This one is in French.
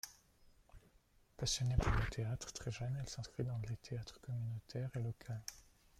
Passionnée par le théâtre, très jeune, elle s'inscrit dans des théâtres communautaires et locales.